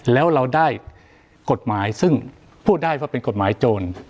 แล้วเราได้กฎหมายซึ่งพูดได้ว่าเป็นกฎหมายโจร